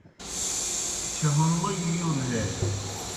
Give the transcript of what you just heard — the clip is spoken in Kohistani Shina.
چھہُونموگیْ یُون ہے